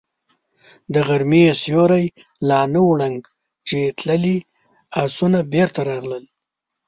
د غرمې سيوری لا نه و ړنګ چې تللي آسونه بېرته راغلل.